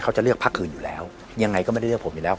จะเลือกพักคืนอยู่แล้วยังไงก็ไม่ได้เลือกผมอยู่แล้ว